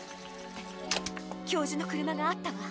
教授のくるまがあったわ！